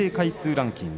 ランキング